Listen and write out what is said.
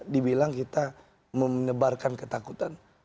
dibilang kita menebarkan ketakutan